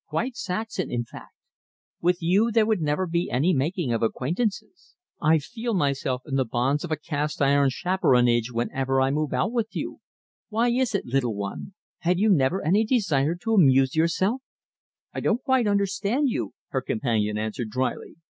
Quite Saxon, in fact. With you there would never be any making of acquaintances! I feel myself in the bonds of a cast iron chaperonage whenever I move out with you. Why is it, little one? Have you never any desire to amuse yourself?" "I don't quite understand you," her companion answered dryly.